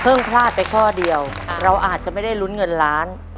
พลาดไปข้อเดียวเราอาจจะไม่ได้ลุ้นเงินล้าน